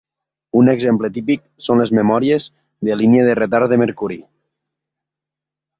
Un exemple típic són les memòries de línia de retard de mercuri.